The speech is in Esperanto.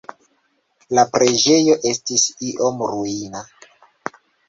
La preĝejo estis iom ruina.